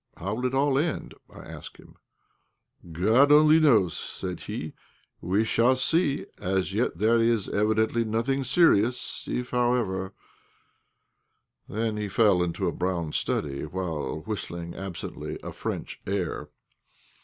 How will it all end?" I asked him. "God knows," said he; "we shall see. As yet there is evidently nothing serious. If, however " Then he fell into a brown study while whistling absently a French air.